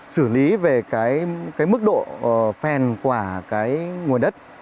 xử lý về cái mức độ phèn quả cái nguồn đất